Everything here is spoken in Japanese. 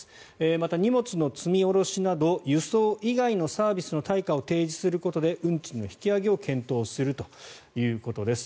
また、荷物の積み下ろしなど輸送以外のサービスの対価を提示することで運賃の引き上げを検討するということです。